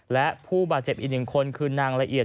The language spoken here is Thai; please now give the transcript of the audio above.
และผู้บาดเจ็บอีกหนึ่งคนคือนางละเอียด